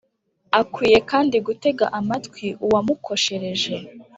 akwiye kandi gutega amatwi uwamukoshereje